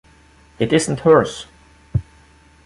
It isn’t hers!